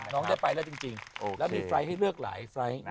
น้องได้ไปแล้วจริงแล้วมีไฟล์ให้เลือกหลายไฟล์